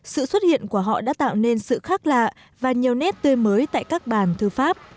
sự xuất hiện của họ đã tạo nên sự khác lạ và nhiều nét tươi mới tại các bàn thư pháp